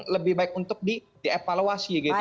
lebih baik untuk dievaluasi